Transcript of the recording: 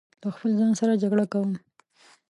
له خپل ځان سره جګړه کوم